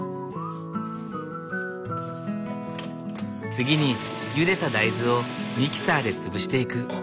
次にゆでた大豆をミキサーで潰していく。